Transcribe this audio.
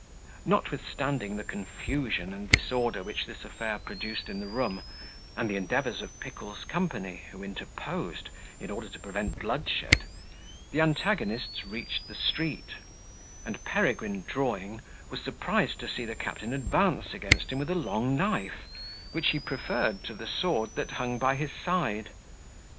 Notwithstanding the confusion and disorder which this affair produced in the room, and the endeavours of Pickle's company, who interposed, in order to prevent bloodshed, the antagonists reached the street; and Peregrine drawing, was surprised to see the captain advance against him with a long knife, which he preferred to the sword that hung by his side.